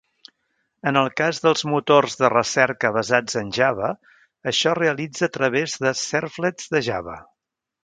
En el cas dels motors de recerca basats en Java, això es realitza a través de Servlets de Java.